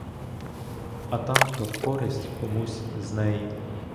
А там-то користь комусь з неї!